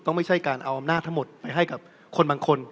ไม่ใช่การเอาอำนาจทั้งหมดไปให้กับคนบางคน